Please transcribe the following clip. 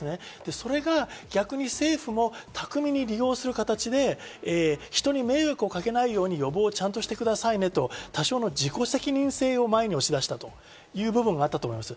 それが逆に政府も巧みに利用する形で、人に迷惑をかけないように予防をちゃんとしてくださいねと、多少の自己責任性を前に押し出したという部分があったと思います。